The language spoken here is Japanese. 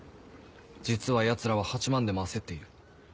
実は奴らは８万でも焦っている。